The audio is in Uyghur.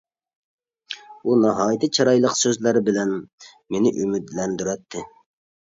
ئۇ ناھايىتى چىرايلىق سۆزلەر بىلەن مېنى ئۈمىدلەندۈرەتتى.